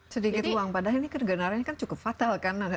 sedikit lubang padahal ini kedengeranannya kan cukup fatal kan